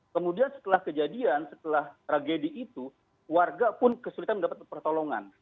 kemudian setelah kejadian setelah tragedi itu warga pun kesulitan mendapat pertolongan